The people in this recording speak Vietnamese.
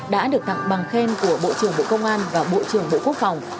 đã được tặng bằng khen của bộ trưởng bộ công an và bộ trưởng bộ quốc phòng